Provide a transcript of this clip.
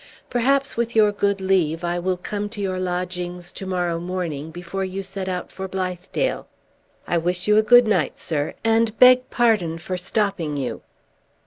Perhaps, with your good leave, I will come to your lodgings to morrow morning, before you set out for Blithedale. I wish you a good night, sir, and beg pardon for stopping you."